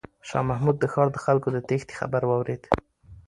شاه محمود د ښار د خلکو د تیښتې خبر واورېد.